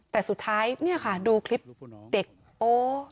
แต่สุดท้ายเนี่ยค่ะดูคลิปเด็กโอ้